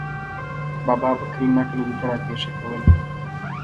بابا به کله ناکله دلته را پېښه کوله.